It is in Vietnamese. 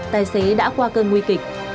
tài xế đã qua cơn nguy kịch